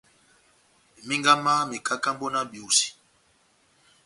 Minga má mekakambo na biosi.